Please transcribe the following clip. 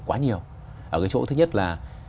quá nhiều ở cái chỗ thứ nhất là